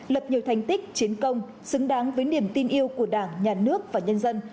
lập nhiều thành tích chiến công xứng đáng với niềm tin yêu của đảng nhà nước và nhân dân